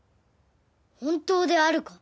本当であるか？